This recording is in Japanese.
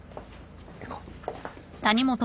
行こう。